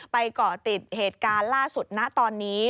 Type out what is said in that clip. เกาะติดเหตุการณ์ล่าสุดนะตอนนี้